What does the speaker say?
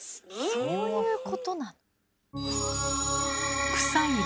そういうことなの？